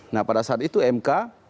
nah pada saat itu mk